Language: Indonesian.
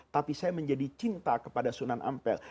tapi saya menjadi cinta kepada sunan ampel